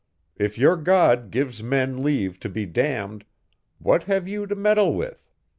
If your God gives men leave to be damned, what have you to meddle with?